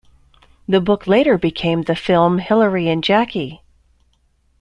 The book later became the film "Hilary and Jackie".